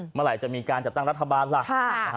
เมื่อไหร่จะมีการจัดตั้งรัฐบาลล่ะ